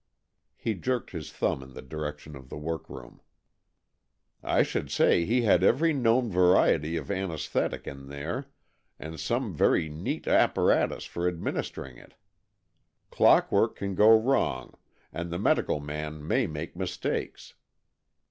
'' He jerked his thumb in the direction of the workroom. " I should say he had every known variety of anaesthetic in there, and some very neat apparatus for administering it. Clockwork can go wrong, and the medical man may make mistakes.